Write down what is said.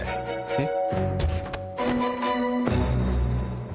えっ？